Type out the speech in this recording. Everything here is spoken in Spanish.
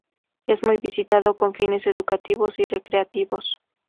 Es muy visitado con fines educativos y recreativos.